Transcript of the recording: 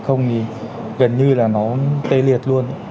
không thì gần như là nó tê liệt luôn